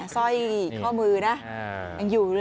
สร้อยข้อมือนะยังอยู่เลย